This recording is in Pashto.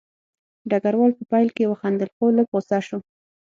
ډګروال په پیل کې وخندل خو لږ غوسه شو